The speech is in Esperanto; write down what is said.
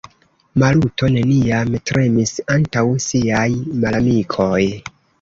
Maluto neniam tremis antaŭ siaj malamikoj.